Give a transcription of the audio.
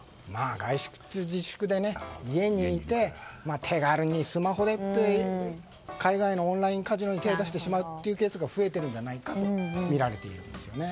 外出自粛で家にいて、手軽でスマホで海外のオンラインカジノに手を出してしまうケースが増えてるんじゃないかとみられているんですよね。